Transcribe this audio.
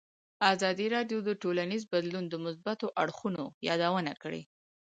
ازادي راډیو د ټولنیز بدلون د مثبتو اړخونو یادونه کړې.